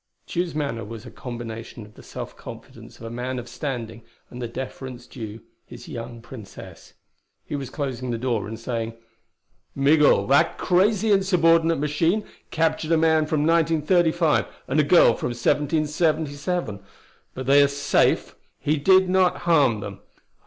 Tugh's manner was a combination of the self confidence of a man of standing and the deference due his young Princess. He was closing the door, and saying: "Migul, that crazy, insubordinate machine, captured a man from 1935 and a girl from 1777. But they are safe: he did not harm them.